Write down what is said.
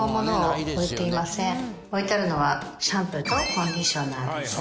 置いてあるのはシャンプーとコンディショナーです。